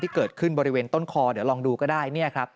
เกิดขึ้นบริเวณต้นคอเดี๋ยวลองดูก็ได้